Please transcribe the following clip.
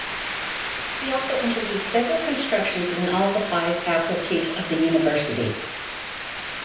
He also introduced several constructions in all the five faculties of the university.